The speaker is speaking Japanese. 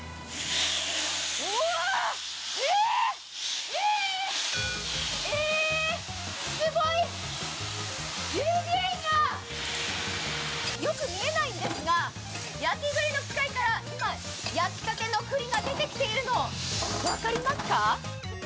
うわ、え、すごい！よく見えないんですが、焼き栗の機械から今、焼きたての栗が出てきているの分かりますか？